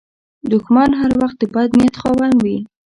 دښمن هر وخت د بد نیت خاوند وي